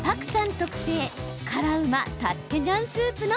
特製辛うまタッケジャンスープの